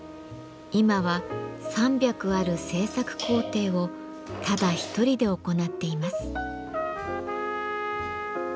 今は３００ある製作工程をただ一人で行っています。